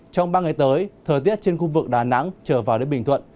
trong ba ngày tới thời tiết trên khu vực đà nẵng trở vào đến bình thuận